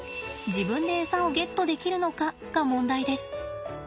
自分でエサをゲットできるのかが問題です。